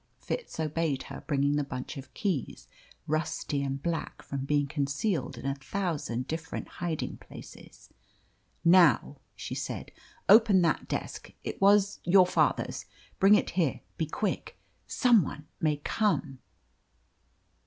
Fitz obeyed her, bringing the bunch of keys, rusty and black from being concealed in a thousand different hiding places. "Now," she said, "open that desk; it was your father's. Bring it here. Be quick! Some one may come."